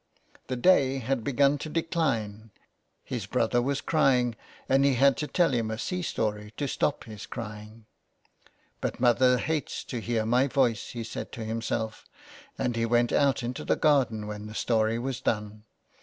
The day had begun to decline, his brother was crying, and he had to tell him a sea story to stop his crying. " But mother hates to hear my voice,'' he said to himself, and he went out into the garden when the story was done.